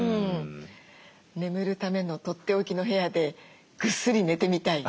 眠るためのとっておきの部屋でぐっすり寝てみたい。